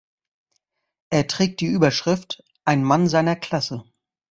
Er trägt die Überschrift "Ein Mann seiner Klasse".